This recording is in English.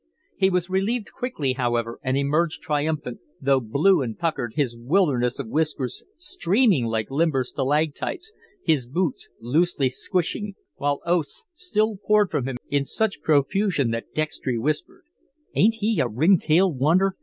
He was relieved quickly, however, and emerged triumphant, though blue and puckered, his wilderness of whiskers streaming like limber stalactites, his boots loosely "squishing," while oaths still poured from him in such profusion that Dextry whispered: "Ain't he a ring tailed wonder?